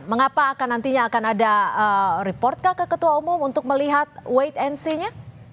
mengapa nantinya akan ada report kak ketua umum untuk melihat wait and see nya